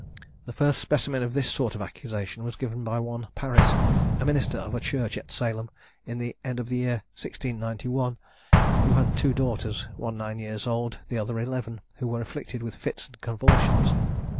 The first specimen of this sort of accusation was given by one Paris, a minister of a church at Salem, in the end of the year 1691, who had two daughters, one nine years old, the other eleven, who were afflicted with fits and convulsions.